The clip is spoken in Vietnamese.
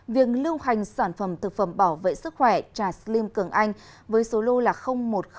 việc lưu hành sản phẩm thực phẩm bảo vệ sức khỏe trà slim cường anh với số lô một mươi nghìn ba trăm hai mươi